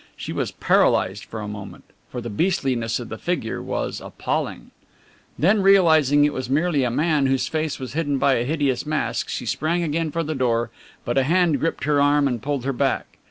She was paralysed for a moment. For the beastliness of the figure was appalling. Then realizing that it was merely a man whose face was hidden by a hideous mask, she sprang again for the door, but a hand gripped her arm and pulled her back.